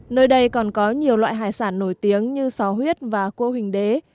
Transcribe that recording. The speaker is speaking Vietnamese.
nơi đây còn có nhiều loại hải sản nổi tiếng như sò huyết và cua hình đế